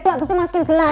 terus dimasukin gelas